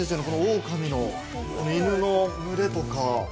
このオオカミの犬の群れとか。